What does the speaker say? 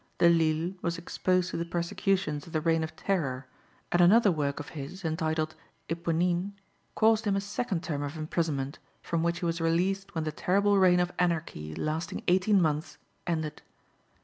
De Lisle was exposed to the persecutions of the Reign of Terror, and another work of his, entitled Eponine, caused him a second term of imprisonment, from which he was released when the terrible reign of anarchy, lasting eighteen months, ended.